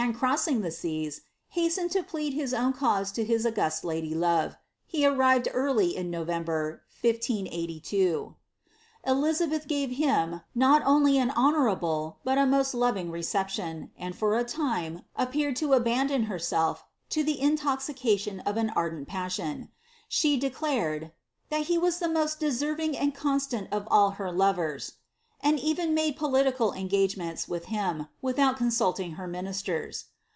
crossing the seas, baslened to plead his own cause to his august lady love. He arrived early in November, 15B2. Elizabeth gave him, not only an honourable, but a most loving recep tion, and, for a lime, appeared to abandon herself to the intoxication of an ardent passion She decUred, "thai he was the most deserving and constant of all her lover"," and even made political engagements wiih him, without consulting her ministers.